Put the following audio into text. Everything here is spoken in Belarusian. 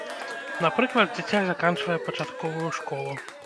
Напрыклад, дзіця заканчвае пачатковую школу.